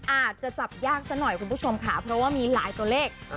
อาจจะจับยากซะหน่อยคุณผู้ชมค่ะเพราะว่ามีหลายตัวเลข